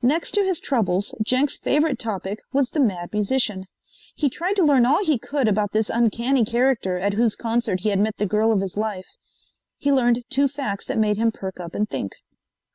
Next to his troubles, Jenks' favorite topic was the Mad Musician. He tried to learn all he could about this uncanny character at whose concert he had met the girl of his life. He learned two facts that made him perk up and think.